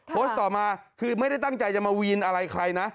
ต่อมาคือไม่ได้ตั้งใจจะมาวีนอะไรใครนะ